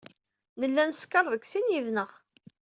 Nella neskeṛ deg sin yid-neɣ.